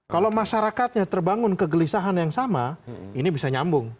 kalau masyarakatnya terbangun kegelisahan yang sama ini bisa nyambung